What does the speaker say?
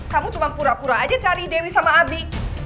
kamu cuma pura pura aja cari dewi sama abi